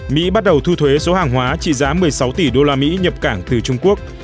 mỹ bắt đầu thu thuế số hàng hóa trị giá một mươi sáu tỷ usd nhập cảng từ trung quốc